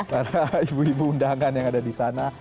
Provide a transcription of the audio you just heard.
para ibu ibu undangan yang ada di sana